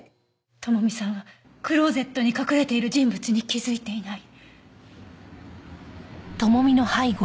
智美さんはクローゼットに隠れている人物に気づいていない。